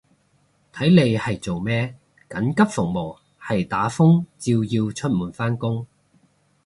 睇你係做咩，緊急服務係打風照要出門返工